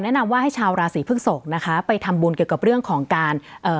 แนะนำว่าให้ชาวราศีพฤกษกนะคะไปทำบุญเกี่ยวกับเรื่องของการเอ่อ